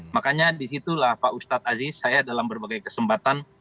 makanya disitulah pak ustadz aziz saya dalam berbagai kesempatan